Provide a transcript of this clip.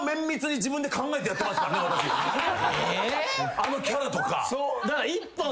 あのキャラとか。